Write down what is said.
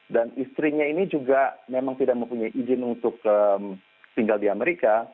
dan istrinya ini juga memang tidak mempunyai izin untuk tinggal di amerika